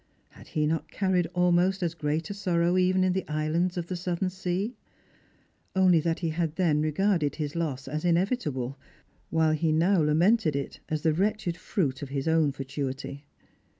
Had he not carried almost as great a sorrow even in the islands of the southern sea? only that he had then regarded his loss as inevitable, while he now lamented it as the wretched fruit of hia ftwn fatuity.